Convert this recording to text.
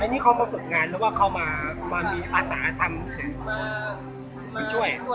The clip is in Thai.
อันนี้เขามาฝึกงานหรือว่าเขามามีอาตาธรรมช่วย